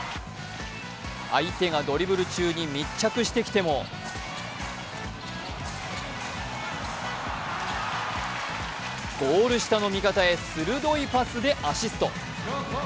相手がドリブル中に密着してきてもゴール下の味方へ鋭いパスでアシスト。